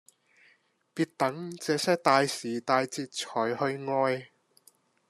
別等這些大時大節才去愛